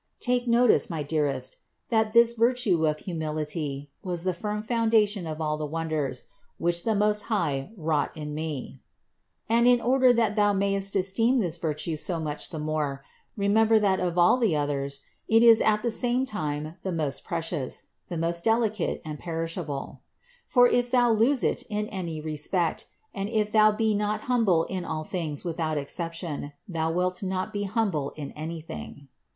Take notice, my dearest, that this virtue of humility was the firm foundation of all the wonders, which the Most High wrought in me; and in order that thou mayest esteem this virtue so much the more, remember that of all others, it is at the same time the most precious, the most delicate and perishable ; for if thou lose it in any respect, and if thou be not humble in all things without exception, thou wilt not be humble in anything.